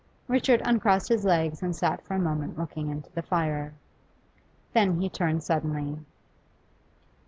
Richard uncrossed his legs and sat for a moment looking into the fire. Then he turned suddenly.